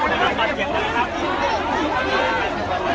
อ๋อได้เลยครับเชิญครับอ๋อได้เลยครับเชิญเลยครับ